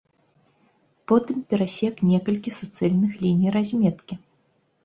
Потым перасек некалькі суцэльных ліній разметкі.